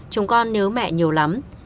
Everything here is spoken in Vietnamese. chúng con nhớ mẹ nhiều lắm